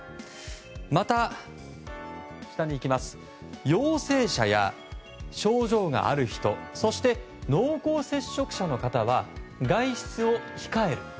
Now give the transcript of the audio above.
また、陽性者や症状がある人そして、濃厚接触者の方は外出を控える。